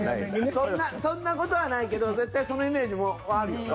そんなそんな事はないけど絶対そのイメージはあるよな。